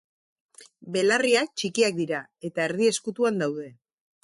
Belarriak txikiak dira eta erdi-ezkutuan daude.